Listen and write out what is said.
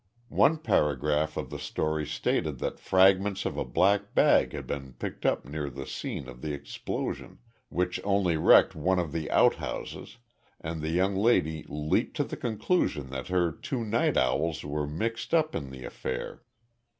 One paragraph of the story stated that fragments of a black bag had been picked up near the scene of the explosion, which only wrecked one of the outhouses, and the young lady leaped to the conclusion that her two night owls were mixed up in the affair.